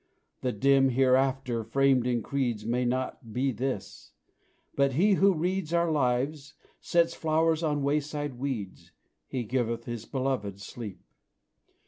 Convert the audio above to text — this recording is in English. The dim Hereafter framed in creeds May not be this; but He who reads Our lives, sets flowers on wayside weeds "He giveth His beloved sleep."